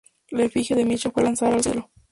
La efigie de Misha fue lanzada al cielo.